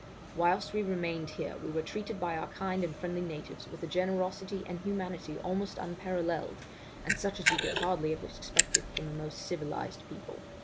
Whilst we remained here, we were treated by our kind and friendly natives with a generosity and humanity almost unparalleled, and such as we could hardly have expected from the most civilized people.